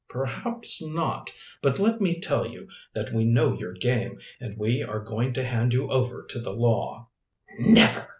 "Perhaps not. But let me tell you that we know your game, and we are going to hand you over to the law." "Never!"